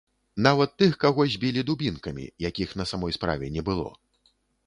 Нават тых, каго збілі дубінкамі, якіх на самой справе не было.